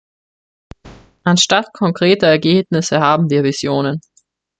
Anstatt konkreter Ergebnisse haben wir Visionen.